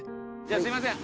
すいません。